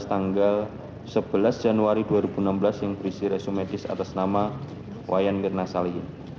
satu dua ribu enam belas tanggal sebelas januari dua ribu enam belas yang berisi resumitis atas nama wayan mirna salihin